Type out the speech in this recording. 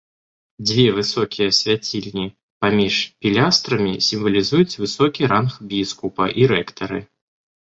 Две высокія свяцільні паміж пілястрамі сімвалізуюць высокі ранг біскупа і рэктары.